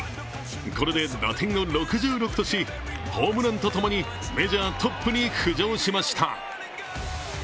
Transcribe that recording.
これで打点を６６としホームランとともにメジャートップに浮上しました。